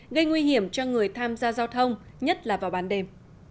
gây nguy hiểm cho người tham gia giao thông nhất là vào ban đêm